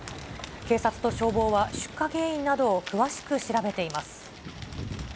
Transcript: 警察と消防は出火原因などを詳しく調べています。